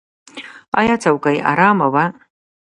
ایا څوکۍ ارامه وه؟